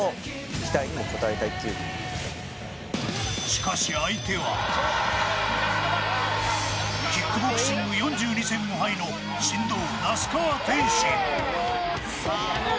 しかし相手はキックボクシング４２戦無敗の神童・那須川天心。